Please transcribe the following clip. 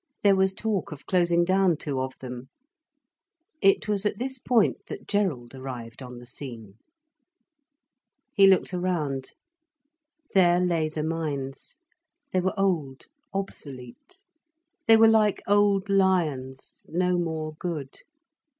There was talk of closing down two of them. It was at this point that Gerald arrived on the scene. He looked around. There lay the mines. They were old, obsolete. They were like old lions, no more good.